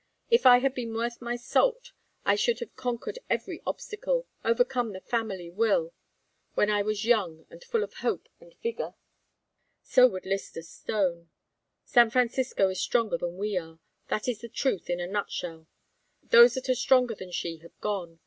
If I had been worth my salt I should have conquered every obstacle, overcome the family will, when I was young and full of hope and vigor. So would Lyster Stone. San Francisco is stronger than we are. That is the truth in a nutshell. Those that are stronger than she have gone.